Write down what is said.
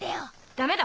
ダメだ！